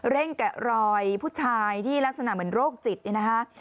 เร่งแกะรอยผู้ชายที่ลักษณะเหมือนโรคจิตนะคะ